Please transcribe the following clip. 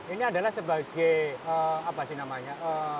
ini adalah sebagai apa sih namanya